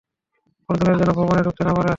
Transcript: অর্জুনের যেনো ভবনে ডুকতে না পারে।